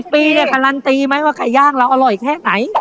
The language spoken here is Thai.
ปีเนี่ยการันตีไหมว่าไก่ย่างเราอร่อยแค่ไหน